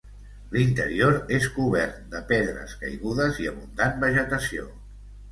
L'interior és cobert de pedres caigudes i abundant vegetació.